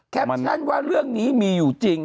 แคปชั่นว่าเรื่องนี้มีอยู่จริง